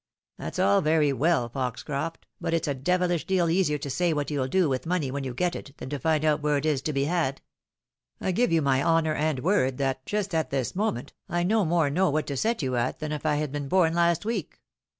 " That's all very well, Foxoroft — ^but it's a devilish deal easier to say what you'll do with money when you get it, than to iind out where it is to be had. I give you my honour and word that, just at this moment, I no more know what to set you at than if I had been born last week.